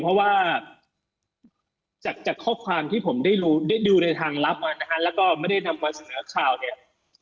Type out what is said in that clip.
เพราะว่าจากจากข้อความที่ผมได้รู้ได้ดูในทางลับมานะฮะแล้วก็ไม่ได้นำมาเสนอข่าวเนี่ย